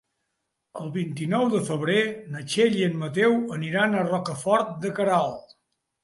El vint-i-nou de febrer na Txell i en Mateu aniran a Rocafort de Queralt.